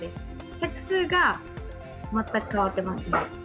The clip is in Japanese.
客数が全く変わってますね。